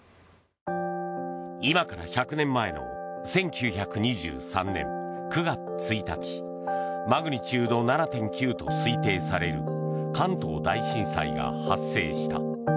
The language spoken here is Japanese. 今から１００年前の１９２３年９月１日マグニチュード７．９と推定される関東大震災が発生した。